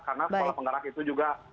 karena sekolah penggerak itu juga